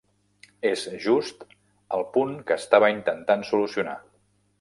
És just el punt que estava intentant solucionar.